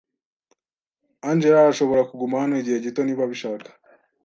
Angella arashobora kuguma hano igihe gito niba abishaka.